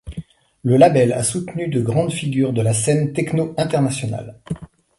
Le label a soutenu de grandes figures de la scène techno internationale.